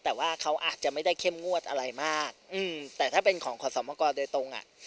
แต่ว่าเขาอาจจะไม่ได้เข้มงวดอะไรมากอืมแต่ถ้าเป็นของขอสมกรโดยตรงอ่ะ